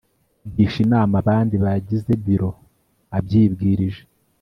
kugisha inama abandi bagize Biro abyibwirije